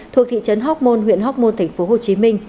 thuộc thị trấn hóc môn huyện hóc môn tp hcm